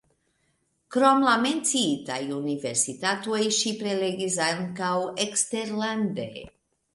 Krom la menciitaj universitatoj ŝi prelegis ankaŭ eksterlande.